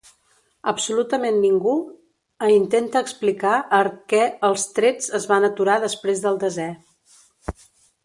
Absolutament ningú ha intenta explicar er què els trets es van aturar després del desè.